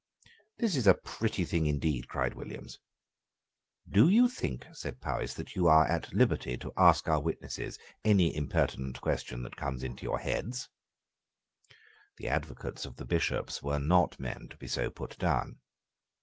"That is a pretty thing indeed," cried Williams. "Do you think," said Powis, "that you are at liberty to ask our witnesses any impertinent question that comes into your heads?" The advocates of the Bishops were not men to be so put down.